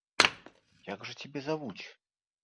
Як жа цябе завуць?